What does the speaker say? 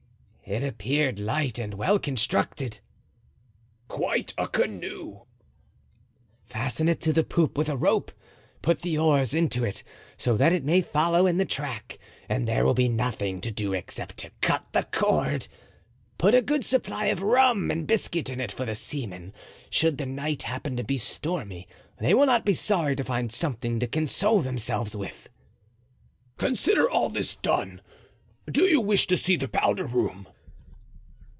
"It appeared light and well constructed." "Quite a canoe." "Fasten it to the poop with a rope; put the oars into it, so that it may follow in the track and there will be nothing to do except to cut the cord. Put a good supply of rum and biscuit in it for the seamen; should the night happen to be stormy they will not be sorry to find something to console themselves with." "Consider all this done. Do you wish to see the powder room?"